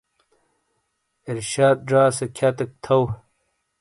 ارشاد زا سے کھیاتیک تھو۔